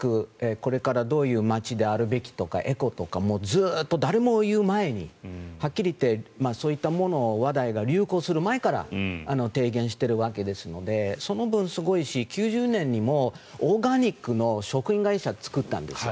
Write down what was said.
これからどういう街であるべきとかエコとかずっと、誰も言う前にはっきり言ってそういったものを話題が流行する前から提言しているわけですのでその分すごいし９０年にもオーガニックの食品会社を作ったんです。